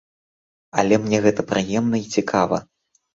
Але мне гэта прыемна і цікава!